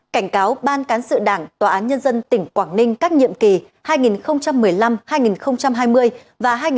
cảnh cáo ban cán sự đảng tòa án nhân dân tỉnh quảng ninh các nhiệm kỳ hai nghìn một mươi năm hai nghìn hai mươi và hai nghìn một mươi hai nghìn hai mươi một